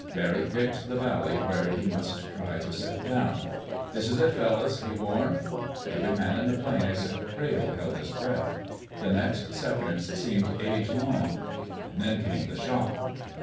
Barry picked the valley where he must try to set down. "This is it, fellows!" he warned. Every man in the plane except Crayle held his breath. The next seconds seemed age long. Then came the shock.